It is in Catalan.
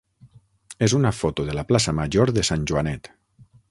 és una foto de la plaça major de Sant Joanet.